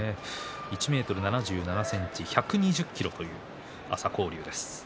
１ｍ７７ｃｍ１２０ｋｇという朝紅龍です。